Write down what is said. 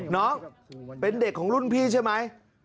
น้องเป็นเด็กของรุ่นพี่ใช่ไหม